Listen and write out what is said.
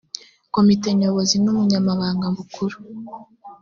komite nyobozi n ubunyamabanga bukuru